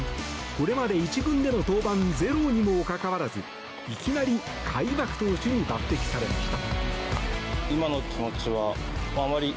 これまで１軍での登板ゼロにもかかわらずいきなり開幕投手に抜擢されました。